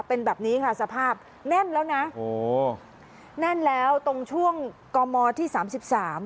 เป็นแบบนี้ค่ะสภาพแน่นแล้วนะโอ้โหแน่นแล้วตรงช่วงกมที่สามสิบสาม